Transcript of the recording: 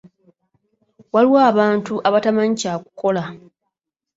Waliwo abantu abatamanyi kyakukola.